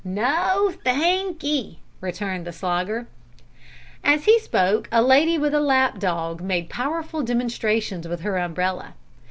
"No thankee," returned the Slogger. As he spoke a lady with a lap dog made powerful demonstrations with her umbrella.